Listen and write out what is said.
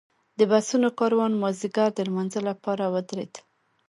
د بسونو کاروان مازیګر د لمانځه لپاره ودرېد.